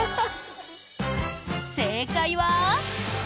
正解は。